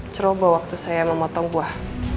coba waktu saya memotong buah